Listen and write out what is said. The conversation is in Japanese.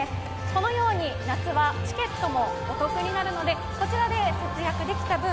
このように夏はチケットもお得になるので、こちらで節約できた分、